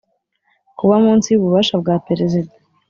kuba munsi y ububasha bwa perezida